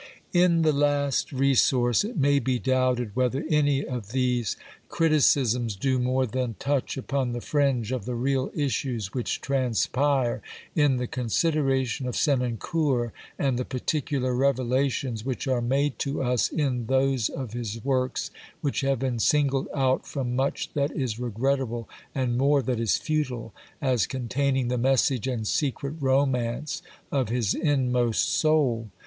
In the last resource it may be doubted whether any of these criticisms do more than touch upon the fringe of the real issues which transpire in the consideration of Senancour and the particular revelations which are made to us in those of his works which have been singled out from much that is regrettable and more that is futile as containing the message and secret romance of his inmost soul.